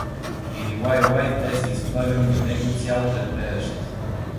Мирилайлай бе се изправил на него цял треперещ.